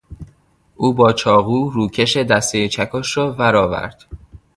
او با چاقو روکش دستهی چکش را ور آورد.